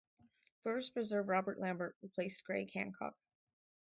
First reserve Robert Lambert replaced Greg Hancock.